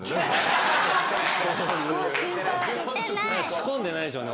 仕込んでないでしょうね。